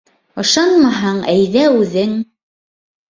— Ышанмаһаң, әйҙә үҙең!